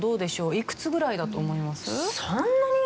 いくつぐらいだと思います？